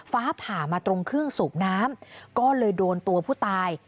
ฟ้าผ่ามาตรงเครื่องสูบน้ำก็เลยโดนตัวผู้ตาย